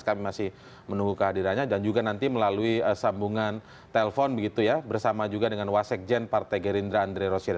kami masih menunggu kehadirannya dan juga nanti melalui sambungan telpon begitu ya bersama juga dengan wasekjen partai gerindra andre rosiri